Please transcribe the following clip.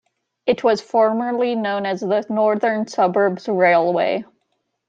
It was formerly known as the Northern Suburbs Railway.